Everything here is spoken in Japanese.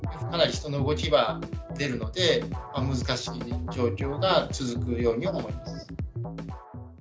かなり人の動きは出るので、難しい状況が続くように思います。